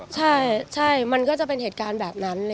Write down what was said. ใช่มันก็จะเป็นเหตุการณ์แบบนั้น